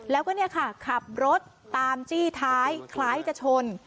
แล้วก็ขับรถตามจี้ท้ายคล้ายจะชน